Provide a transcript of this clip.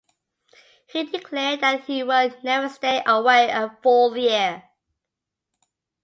He declared that he would never stay away a full year.